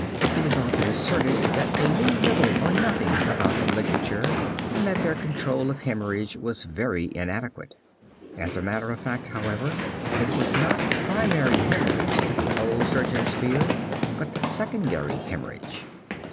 It is often asserted that they knew little or nothing about the ligature and that their control of hemorrhage was very inadequate. As a matter of fact, however, it was not primary hemorrhage that the old surgeons feared, but secondary hemorrhage.